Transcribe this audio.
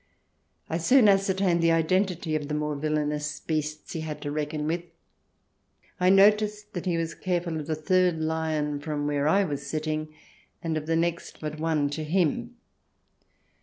I soon ascertained the identity of the more villainous beasts he had to reckon with ; I noticed he was careful of the third lion from where I was sitting, and of the next but one to him.